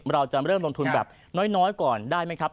เราจะเริ่มลงทุนแบบน้อยก่อนได้ไหมครับ